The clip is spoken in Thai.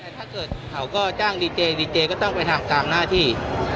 แต่ถ้าเกิดเขาก็จ้างดีเจดีเจก็ต้องไปทำตามหน้าที่